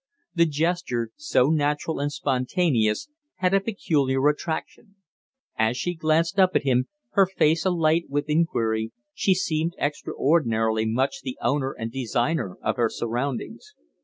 The gesture, so natural and spontaneous, had a peculiar attraction; as she glanced up at him, her face alight with inquiry, she seemed extraordinarily much the owner and designer of her surroundings.